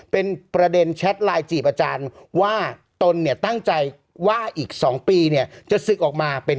เป็นประเด็นแชทไลน์จีบอาจารย์ว่าตนเนี่ยตั้งใจว่าอีก๒ปีเนี่ยจะศึกออกมาเป็น